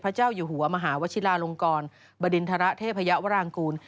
พระเจ้าอยู่หัวมหาวชิลาลงกรบรินทะละเทพพระเยาะวรรณกูล